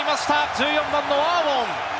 １４番のアーウォン。